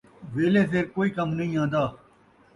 ویلھے سر کئی کم نئیں آن٘دا